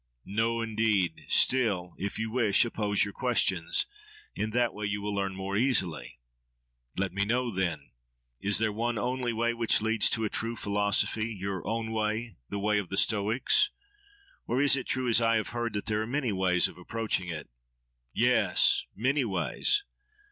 —No, indeed! Still, if you wish, oppose your questions. In that way you will learn more easily. —Let me know, then—Is there one only way which leads to a true philosophy—your own way—the way of the Stoics: or is it true, as I have heard, that there are many ways of approaching it? —Yes! Many ways!